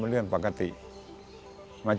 ทำด้วยความรู้ของตัวเองที่ตัวเองรู้แค่นั้น